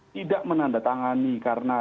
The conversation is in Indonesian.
tidak menandatangani karena